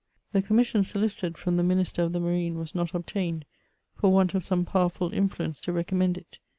The commission solicited from the Minister of the Marine was not obtained, for Want of some powerful influence to recommend it.